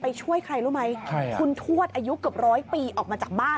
ช่วยใครรู้ไหมคุณทวดอายุเกือบร้อยปีออกมาจากบ้าน